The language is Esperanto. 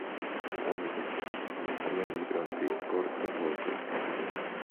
Oni publikigis historian libron pri Kortepohja.